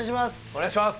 お願いします